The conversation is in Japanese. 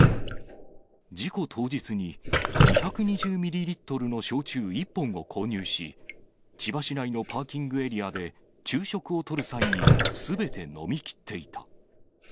事故当日に２２０ミリリットルの焼酎１本を購入し、千葉市内のパーキングエリアで昼食をとる際にすべて飲みきっていた。